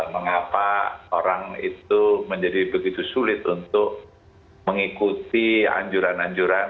mengapa orang itu menjadi begitu sulit untuk mengikuti anjuran anjuran